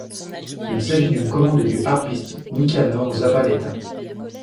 Il s'agit d'une commande du harpiste Nicanor Zabaleta.